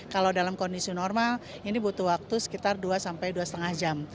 kalau dalam kondisi normal ini butuh waktu sekitar dua sampai dua lima jam